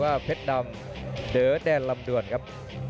สวัสดีครับสวัสดีครับ